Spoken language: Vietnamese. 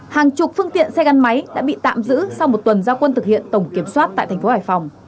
hàng chục phương tiện xe gắn máy đã bị tạm giữ sau một tuần giao quân thực hiện tổng kiểm soát tại thành phố hải phòng